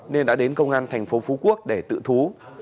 nên đã đến công an tp phú quốc để tự thú